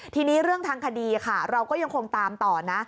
ทีนี้เรื่องทางคดีค่ะเราก็ยังคงตามต่อนะ